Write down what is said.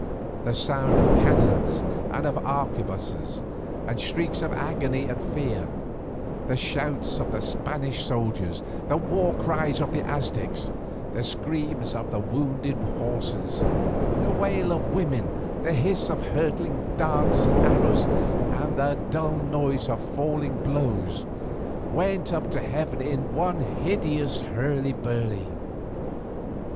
The sound of cannons and of arquebusses, the shrieks of agony and fear, the shouts of the Spanish soldiers, the war cries of the Aztecs, the screams of wounded horses, the wail of women, the hiss of hurtling darts and arrows, and the dull noise of falling blows went up to heaven in one hideous hurly burly.